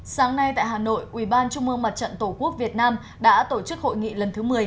sáng nay tại hà nội ubnd tổ quốc việt nam đã tổ chức hội nghị lần thứ một mươi